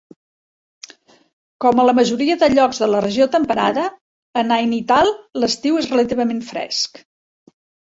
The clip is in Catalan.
Com a la majoria de llocs de la regió temperada, a Nainital l'estiu és relativament fresc.